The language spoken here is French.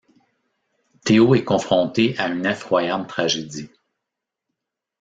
Théo est confronté à une effroyable tragédie.